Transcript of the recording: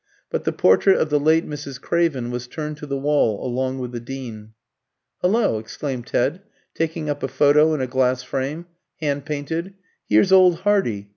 But the portrait of the late Mrs. Craven was turned to the wall along with the Dean. "Hullo!" exclaimed Ted, taking up a photo in a glass frame, hand painted, "here's old Hardy!